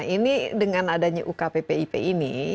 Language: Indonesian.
ini dengan adanya ukppip ini